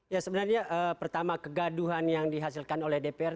ya sebenarnya pertama kegaduhan yang dihasilkan oleh dpr